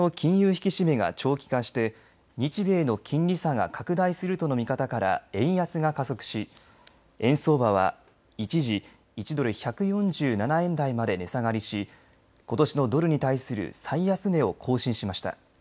引き締めが長期化して日米の金利差が拡大するとの見方から円安が加速し円相場は一時１ドル１４７円台まで値下がりしことしのドルに対する最安値を更新しました。